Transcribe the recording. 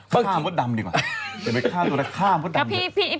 คำมดดำดีกว่าอย่าไปฆ่าตัวแล้วข้ามมดดำ